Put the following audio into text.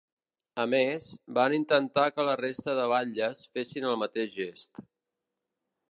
A més, van intentar que la resta de batlles fessin el mateix gest.